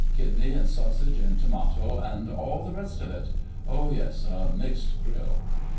"Kidney and sausage and tomato and all the rest of it. Oh yes, a 'mixed grill.